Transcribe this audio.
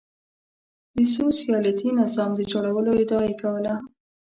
د سوسیالیستي نظام د جوړولو ادعا یې کوله.